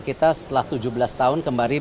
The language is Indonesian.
kita setelah tujuh belas tahun kembali